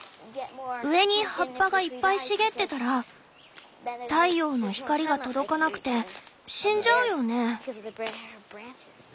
上に葉っぱがいっぱい茂ってたら太陽の光が届かなくて死んじゃうよね。